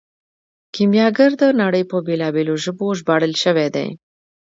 کیمیاګر د نړۍ په بیلابیلو ژبو ژباړل شوی دی.